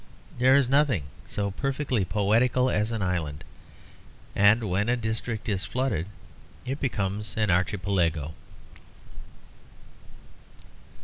There is nothing so perfectly poetical as an island; and when a district is flooded it becomes an archipelago.